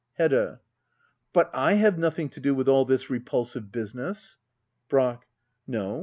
Hedda. But / have nothing to do with all this repulsive business. Brack. No.